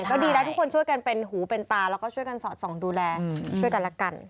ก็ดีแล้วทุกคนช่วยกันเป็นหูเป็นตาแล้วก็ช่วยกันสอดส่องดูแลช่วยกันและกัน